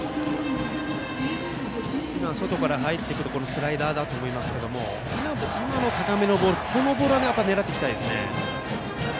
外から入ってくるスライダーだと思いますけど今の高めのボールを狙っていきたいですよね。